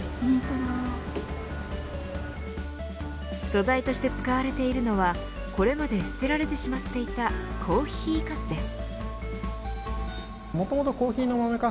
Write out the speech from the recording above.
素材として使われているのはこれまで捨てられてしまっていたコーヒーかすです。